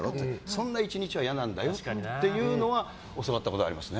そんな１日は嫌なんだよって教わったことあります。